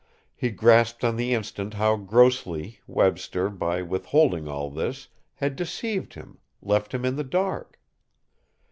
He grasped on the instant how grossly Webster, by withholding all this, had deceived him, left him in the dark.